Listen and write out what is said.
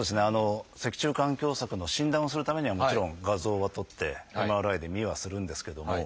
脊柱管狭窄の診断をするためにはもちろん画像は撮ってＭＲＩで見はするんですけども。